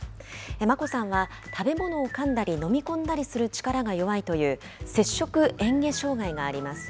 真心さんは、食べ物をかんだり、飲み込んだりする力が弱いという、摂食えん下障害があります。